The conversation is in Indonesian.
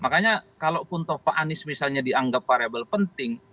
makanya kalaupun taufa anies misalnya dianggap variable penting